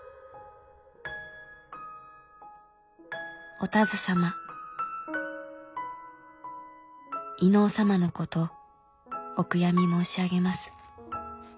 「お田鶴様飯尾様のことお悔やみ申し上げます。